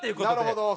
なるほど。